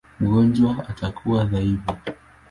Mgonjwa atakuwa dhaifu.